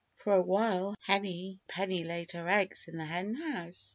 For a while Henny Penny laid her eggs in the Henhouse.